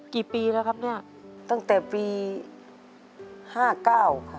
กี่ปีแล้วครับนี่ตั้งแต่ปี๕๙ค่ะ